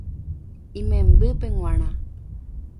Imembýpe g̃uarã